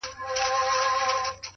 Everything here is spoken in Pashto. زه او زما ورته ياران،